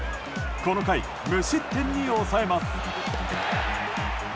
この回、無失点に抑えます。